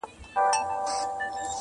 ته لا اوس هم خبر نه يې فساد څه دئ -